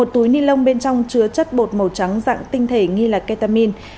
một túi ni lông bên trong chứa chất bột màu trắng dạng tinh thể nghi là ketamin